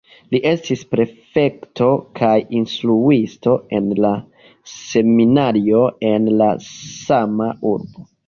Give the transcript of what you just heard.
Li estis prefekto kaj instruisto en la seminario en la sama urbo.